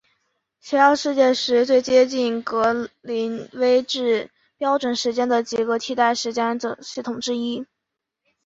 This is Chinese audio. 协调世界时是最接近格林威治标准时间的几个替代时间系统之一。